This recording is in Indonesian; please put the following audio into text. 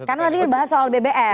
kan tadi dia bahas soal bbm